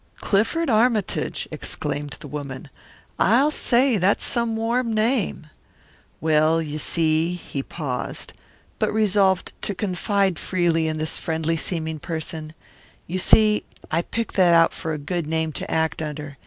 "Clifford Armytage!" exclaimed the woman. "I'll say that's some warm name!" "Well, you see" he paused, but resolved to confide freely in this friendly seeming person "you see, I picked that out for a good name to act under.